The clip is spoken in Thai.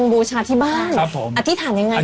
บูชาที่บ้านอธิษฐานยังไง